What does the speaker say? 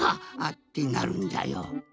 ってなるんじゃよ。